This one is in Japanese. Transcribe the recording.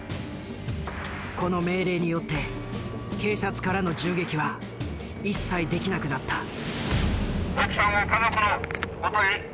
この命令によって警察からの銃撃は一切できなくなった。